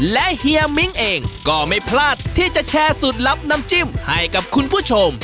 และเฮียมิ้งเองก็ไม่พลาดที่จะแชร์สูตรลับน้ำจิ้มให้กับคุณผู้ชม